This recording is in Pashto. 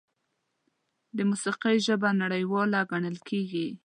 د موسیقۍ ژبه نړیواله ګڼل کېږي.